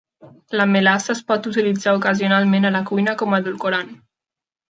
La melassa es pot utilitzar ocasionalment a la cuina com a edulcorant